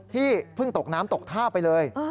ที่เพิ่งตกน้ำตกท่าไปเลย